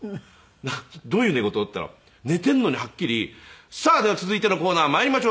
「どういう寝言？」って言ったら寝ているのにはっきり「さあでは続いてのコーナーまいりましょう」